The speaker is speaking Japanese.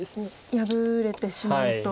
破れてしまうと。